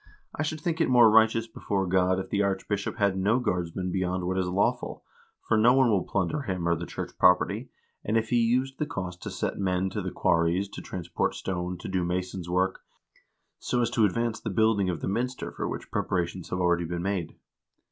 I should think it more righteous before God if the archbishop had no guardsmen beyond what is lawful, for no one will plunder him or the church property, and if he used the cost to set men to the quarries to transport stone, to do mason's work, so as to advance the building of the minster for which preparations have already been made."